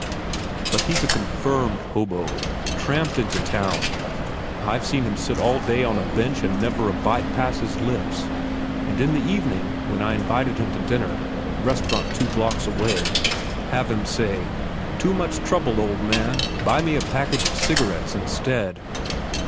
But he's a confirmed hobo. Tramped into town. I've seen him sit all day on a bench and never a bite pass his lips, and in the evening, when I invited him to dinner—restaurant two blocks away—have him say, 'Too much trouble, old man. Buy me a package of cigarettes instead.